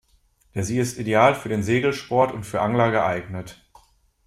Der See ist ideal für den Segelsport und für Angler geeignet.